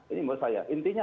ini menurut saya intinya